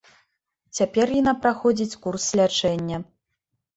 Цяпер яна праходзіць курс лячэння.